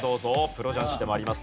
プロ雀士でもあります。